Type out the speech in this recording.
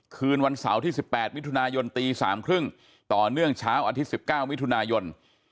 คืนวันเสาร์ที่๑๘มิถุนายนตี๓๓๐ต่อเนื่องเช้าอาทิตย์๑๙มิถุนายน